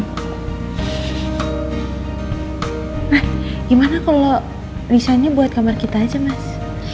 nah gimana kalau misalnya buat kamar kita aja mas